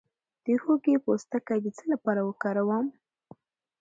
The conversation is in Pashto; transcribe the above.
د هوږې پوستکی د څه لپاره وکاروم؟